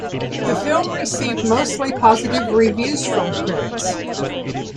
The film received mostly positive reviews from critics.